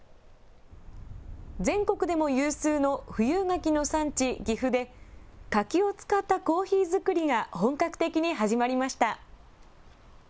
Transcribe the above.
全国でも有数の富有柿の産地、岐阜で、柿を使ったコーヒー作りが本格的に始まりました。